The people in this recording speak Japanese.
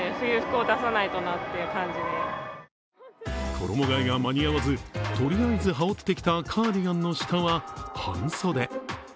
衣替えが間に合わずとりあえず羽織ってきたカーディガンの下は半袖。